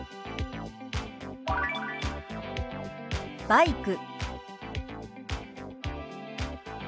「バイク」。